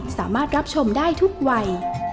สามารถรับชมได้ทุกวัย